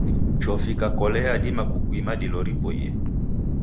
Chofi ikakolea yadima kukuima dilo riboie.